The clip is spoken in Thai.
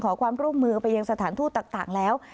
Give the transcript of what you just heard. ขอความร่วมมือไปยังสถานทูตต่างแล้ว